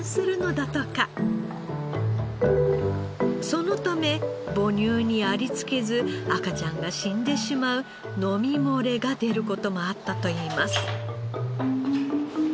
そのため母乳にありつけず赤ちゃんが死んでしまう飲み漏れが出る事もあったといいます。